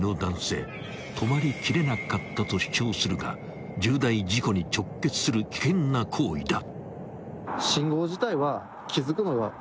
［「止まりきれなかった」と主張するが重大事故に直結する危険な行為だ］